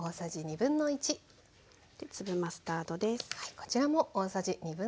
で粒マスタードです。